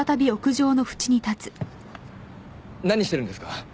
何してるんですか？